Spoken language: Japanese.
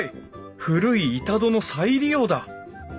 古い板戸の再利用だ！